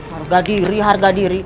harga diri harga diri